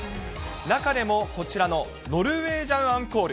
中でもこちらのノルウェージャンアンコール。